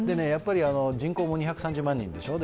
人口も２３０万人でしょう。